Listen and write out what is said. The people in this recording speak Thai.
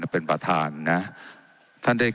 ไม่ได้เป็นประธานคณะกรุงตรี